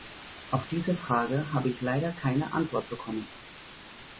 Auf diese Frage habe ich leider keine Antwort bekommen.